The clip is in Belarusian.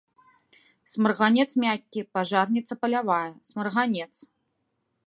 Смарганец мяккі, пажарніца палявая, смарганец.